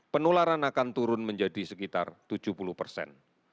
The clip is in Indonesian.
penularan akan turun menjadi sekitar tujuh puluh persen